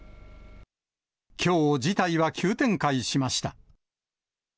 きょう、事態は急展開しました。